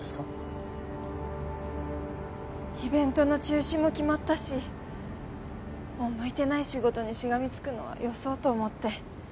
イベントの中止も決まったしもう向いてない仕事にしがみつくのはよそうと思って。